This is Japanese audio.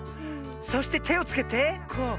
そしててをつけてこう。